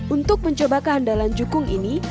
untuk mencoba kehandalan jukung ini